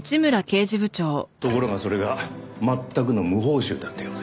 ところがそれが全くの無報酬だったようで。